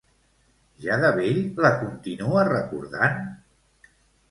Ja de vell la continua recordant?